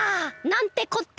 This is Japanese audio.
なんてこった！